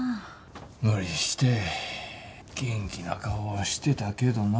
無理して元気な顔はしてたけどな。